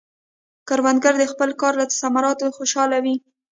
کروندګر د خپل کار له ثمراتو خوشحال وي